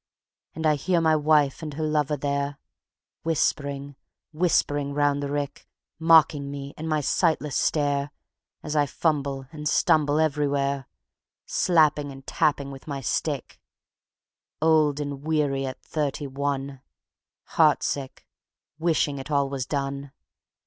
And I hear my wife and her lover there, Whispering, whispering, round the rick, Mocking me and my sightless stare, As I fumble and stumble everywhere, Slapping and tapping with my stick; Old and weary at thirty one, Heartsick, wishing it all was done.